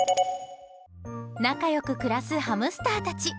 仲良く暮らすハムスターたち。